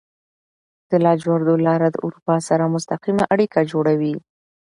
د لاجوردو لاره د اروپا سره مستقیمه اړیکه جوړوي.